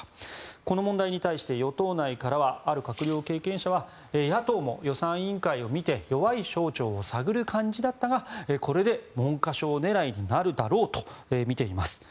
この問題に対して与党内からはある閣僚経験者は野党も予算委員会を見て弱い省庁を探る感じだったがこれで文科省狙いになるだろうと見ています。